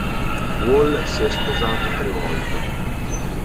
Wahl si è sposato tre volte.